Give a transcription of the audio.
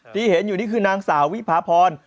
ที่เห็นอยู่นี่คือนางสาววิพาพร